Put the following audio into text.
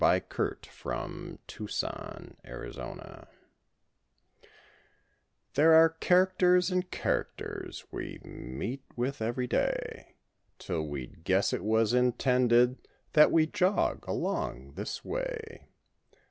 241 HUMOROUS POEMS THE GOSSIP There are characters and characters, we meet with every day, 'Till we'd guess it was intended that we jog along this way.